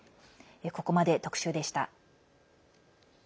ここまで特集でした。